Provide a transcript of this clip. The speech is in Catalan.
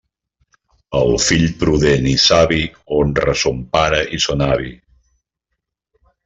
El fill prudent i savi honra son pare i son avi.